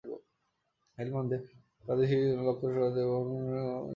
হেলমান্দের প্রাদেশিক রাজধানী লস্কর গাহতে গভর্নর রহিমি গতকাল সোমবার সংবাদ সম্মেলন করেন।